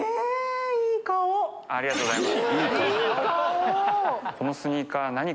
ありがとうございます。